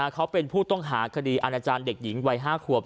เขาเป็นผู้ต้องหาคดีอาณาจารย์เด็กหญิงวัย๕ขวบ